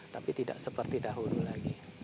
tapi tidak seperti dahulu lagi